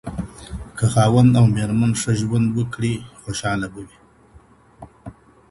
که خاوند او ميرمن ښه ژوند وکړي خوشحاله به وي.